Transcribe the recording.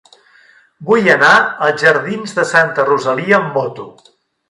Vull anar als jardins de Santa Rosalia amb moto.